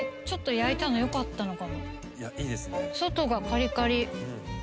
いやいいですね。